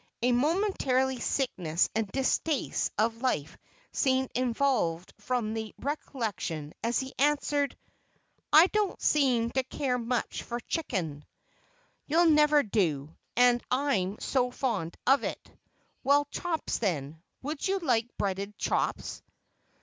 A momentary sickness and distaste of life seemed evolved from the recollection as he answered, "I don't seem to care much for chicken." "You never do, and I am so fond of it. Well, chops then. Would you like breaded chops?"